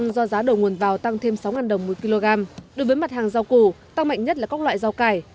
đối với mặt hàng rau củ tăng mạnh nhất là các loại rau cải